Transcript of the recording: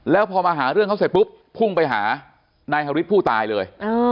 แล้วพอมาหาเรื่องเขาเสร็จปุ๊บพุ่งไปหานายฮาริสผู้ตายเลย